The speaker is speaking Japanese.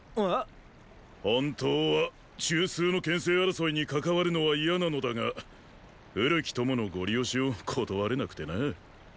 本当は中枢の権勢争いに関わるのは嫌なのだが古き友のゴリ押しを断れなくてな。